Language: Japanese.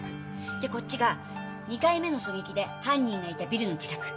でこっちが２回目の狙撃で犯人がいたビルの近く。